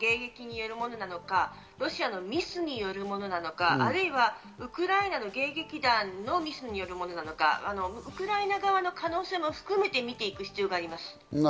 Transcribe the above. ロシア側の迎撃によるものなのか、ロシアのミスによるものなのか、或いはウクライナの迎撃弾のミスによるものなのか、ウクライナ側の可能性も含めて見ていく必要があります。